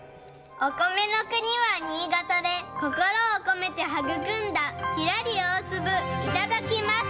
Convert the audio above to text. お米の国は新潟で心を込めて育んだきらり大粒、いただきます。